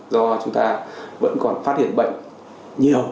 do chúng ta vẫn còn phát hiện bệnh nhiều